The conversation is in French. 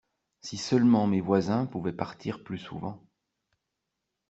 Si seulement mes voisins pouvaient partir plus souvent.